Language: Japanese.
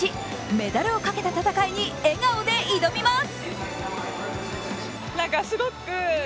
メダルをかけた戦いに笑顔で挑みます。